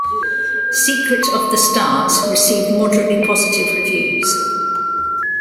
"Secret of the Stars" received moderately positive reviews.